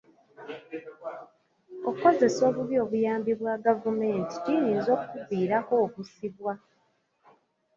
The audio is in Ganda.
Okuzesa obubi obuyambi bwa gavumenti kiyinza okuviirako okusibwa.